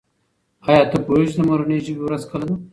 آیا ته پوهېږې چې د مورنۍ ژبې ورځ کله ده؟